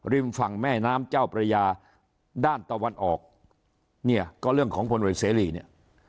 ฝั่งแม่น้ำเจ้าพระยาด้านตะวันออกเนี่ยก็เรื่องของพลเอกเสรีเนี่ย